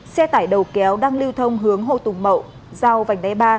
xe tải đầu kéo đang lưu thông hướng hồ tùng mậu giao vành đai ba